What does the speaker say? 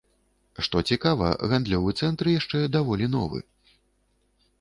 Што цікава, гандлёвы цэнтр яшчэ даволі новы.